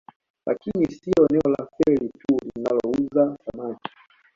Lakini sio eneo la Feli tu linalouza samaki